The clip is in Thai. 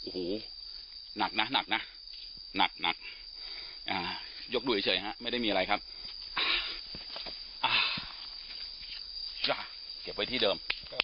โอ้โหหนักนะหนักนะหนักยกดูเฉยฮะไม่ได้มีอะไรครับเก็บไว้ที่เดิม